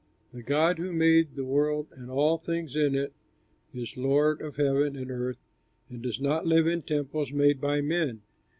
The God who made the world and all things in it is Lord of heaven and earth and does not live in temples made by men.